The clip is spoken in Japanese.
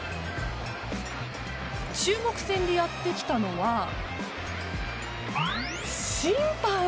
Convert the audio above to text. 中国戦でやってきたのは審判！